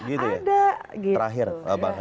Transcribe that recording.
ada juga gitu ya ada